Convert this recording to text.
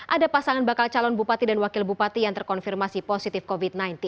ada pasangan bakal calon bupati dan wakil bupati yang terkonfirmasi positif covid sembilan belas